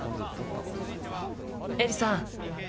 エリさん。